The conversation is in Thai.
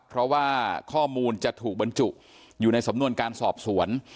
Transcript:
เพราะว่าข้อมูลจะถูกบรรจุอยู่ในสำนวนการสอบสวน